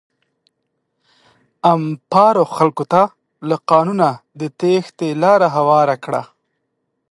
امپارو خلکو ته له قانونه د تېښتې لاره هواره کړه.